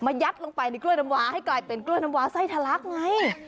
ยัดลงไปในกล้วยน้ำวาให้กลายเป็นกล้วยน้ำวาไส้ทะลักไง